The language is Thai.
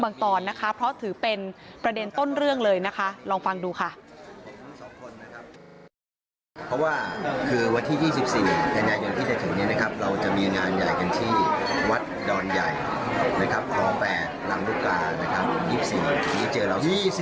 เพราะว่าคือวัดที่๒๔กันยายนที่จะถึงเนี่ยนะครับเราจะมีงานใหญ่กันที่วัดดรณ์ใหญ่นะครับของแปดลำลูกกานะครับ๒๔ที่เจอเรา